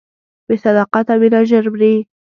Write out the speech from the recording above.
بې صداقته مینه ژر مري.